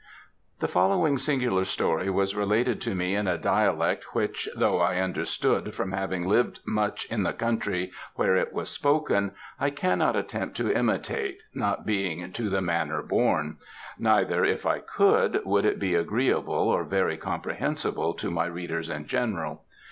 The following singular story was related to me in a dialect which, though I understood, from having lived much in the country where it was spoken, I cannot attempt to imitate, not being "to the manner born;" neither, if I could, would it be agreeable, or very comprehensible, to my readers in general.